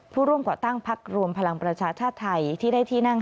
ผู้ร่วมก่อตั้งพักรวมพลังประชาชาติไทยที่ได้ที่นั่ง